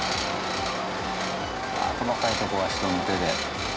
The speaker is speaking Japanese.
ああ細かいとこは人の手で。